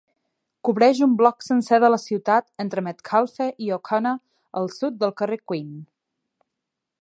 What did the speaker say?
Cobreix un bloc sencer de la ciutat entre Metcalfe i O'Connor al sud del carrer Queen.